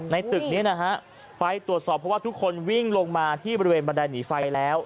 ตึกนี้นะฮะไปตรวจสอบเพราะว่าทุกคนวิ่งลงมาที่บริเวณบันไดหนีไฟแล้ว